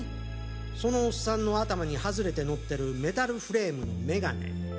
そのオッサンの頭に外れてのってるメタルフレームの眼鏡。